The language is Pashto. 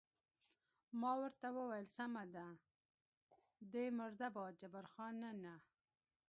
ما ورته وویل: سمه ده، دی مرده باد، جبار خان: نه، نه.